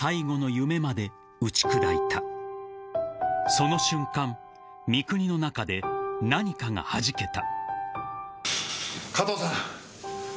［その瞬間三國の中で何かがはじけた］